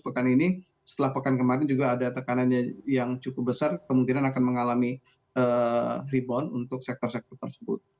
pekan ini setelah pekan kemarin juga ada tekanan yang cukup besar kemungkinan akan mengalami rebound untuk sektor sektor tersebut